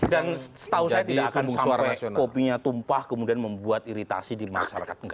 dan setahu saya tidak akan sampai kopinya tumpah kemudian membuat iritasi di masyarakat